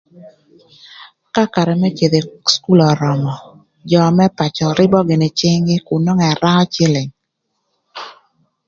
Ka karë më cïdhö ï cukul örömö jö më pacö rïbö gïnï cïng-gï kun nwongo ëraö cïlïng.